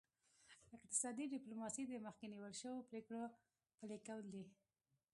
اقتصادي ډیپلوماسي د مخکې نیول شوو پریکړو پلي کول دي